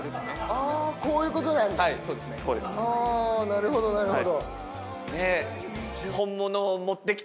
あぁなるほどなるほど。